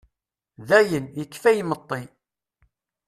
Dayen, yekfa imeṭṭi.